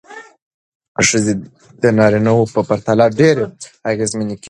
ښځې د نارینه وو پرتله ډېرې اغېزمنې کېږي.